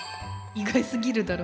意外すぎるだろ。